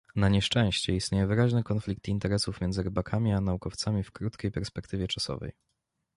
Na nieszczęście istnieje wyraźny konflikt interesów między rybakami a naukowcami w krótkiej perspektywie czasowej